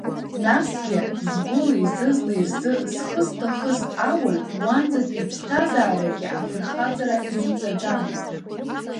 Насгьы, згәылеи-зызлеи рзы зхы зҭахыз ауаҩ, уанӡатәи иԥсҭазаарагьы афырхаҵара иеиҵаӡамызт.